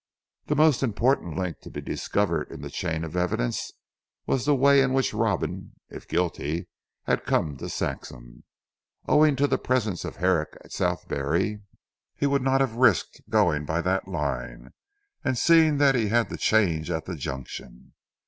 The most important link to be discovered in the chain of evidence, was the way in which Robin (if guilty) had come to Saxham. Owing to the presence of Herrick at Southberry, he would not have risked going by that line, seeing that he had to change at the junction.